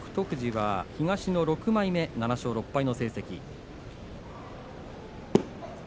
富士は東の６枚目７勝６敗の成績。